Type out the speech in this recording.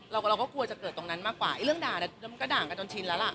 เราก็กลัวจะเกิดตรงนั้นมากกว่าเรื่องด่าแล้วมันก็ด่างกันจนชินแล้วล่ะ